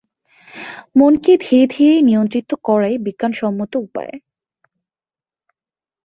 মনকে ধীরে ধীরে নিয়ন্ত্রিত করাই বিজ্ঞানসম্মত উপায়।